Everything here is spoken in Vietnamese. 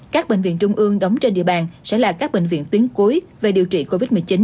các bệnh viện trung ương đóng trên địa bàn sẽ là các bệnh viện tuyến cuối về điều trị covid một mươi chín